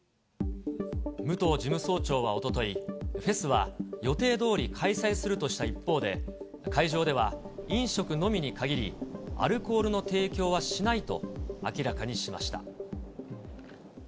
武藤事務総長はおととい、フェスは予定どおり開催するとした一方で、会場では飲食のみに限り、アルコールの提供はしないと明らかにしました。